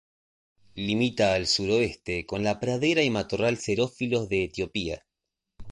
Limita al suroeste con la pradera y matorral xerófilos de Etiopía.